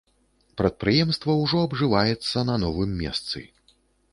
Прадпрыемства ўжо абжываецца на новым месцы.